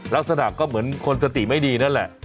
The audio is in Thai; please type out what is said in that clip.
ลักษณะก็เหมือนคนสติไม่ดีนั่นแหละ